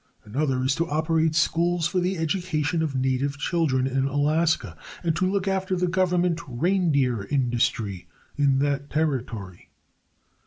Another is to operate schools for the education of native children in Alaska and to look after the Government reindeer industry in that territory.